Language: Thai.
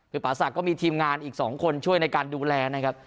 คือป่าศักดิ์ก็มีทีมงานอีก๒คนช่วยในการดูแลนะครับ